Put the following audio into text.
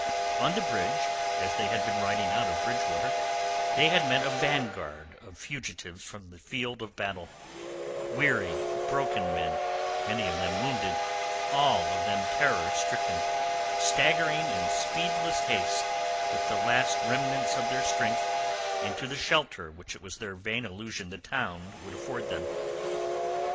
On the bridge, as they had been riding out of Bridgewater, they had met a vanguard of fugitives from the field of battle, weary, broken men, many of them wounded, all of them terror stricken, staggering in speedless haste with the last remnants of their strength into the shelter which it was their vain illusion the town would afford them.